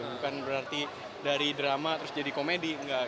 bukan berarti dari drama terus jadi komedi